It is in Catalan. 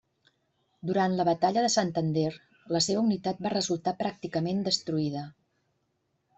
Durant la batalla de Santander la seva unitat va resultar pràcticament destruïda.